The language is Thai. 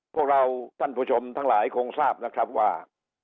พวกเราท่านผู้ชมทั้งหลายคงทราบนะครับว่า